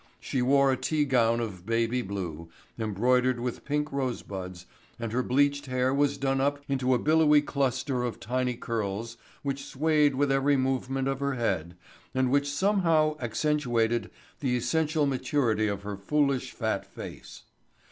She wore a tea gown of baby blue, embroidered with pink rosebuds, and her bleached hair was done up into a billowy cluster of tiny curls which swayed with every movement of her head and which somehow accentuated the essential maturity of her foolish fat face.